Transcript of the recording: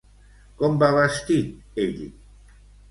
Com va vestit ell?